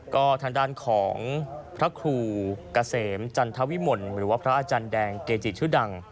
ก็ทางด้านของพระครูเกษมจันทวิมลหรือว่าพระอาจารย์แดงเกจิชื่อดัง